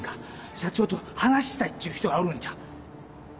社長と話したいっちゅう人がおるんちゃ。